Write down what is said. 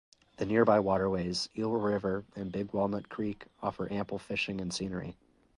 The nearby waterways Eel River and Big Walnut Creek offer ample fishing and scenery.